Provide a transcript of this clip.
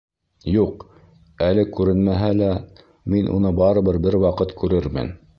Юҡ, әле күренмәһә лә, мин уны барыбер бер ваҡыт күрермен.